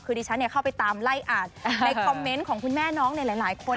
คือดิฉันเข้าไปตามไล่อ่านในคอมเมนต์ของคุณแม่น้องในหลายคน